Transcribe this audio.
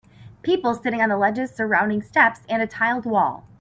People sitting on the ledges surrounding steps and a tiled wall.